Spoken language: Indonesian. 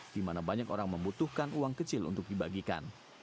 di mana banyak orang membutuhkan uang kecil untuk dibagikan